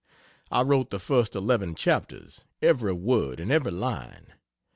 I wrote the first eleven chapters, every word and every line.